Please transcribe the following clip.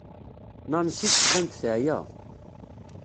Nancy tettban-d teɛya.